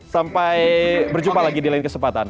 sampai berjumpa lagi di lain kesempatan